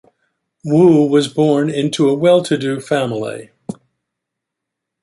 Wu was born into a well-to-do family.